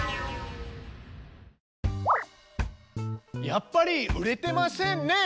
やっぱり売れてませんね。